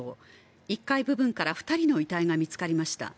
１階部分から２人の遺体が見つかりました。